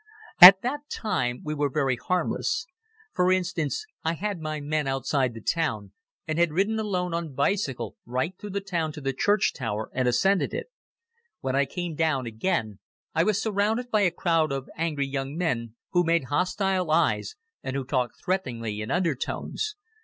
At that time we were very harmless. For instance, I had my men outside the town and had ridden alone on bicycle right through the town to the church tower and ascended it. When I came down again I was surrounded by a crowd of angry young men who made hostile eyes and who talked threateningly in undertones.